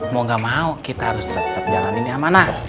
mau ga mau kita harus tetep jalaninnya amanah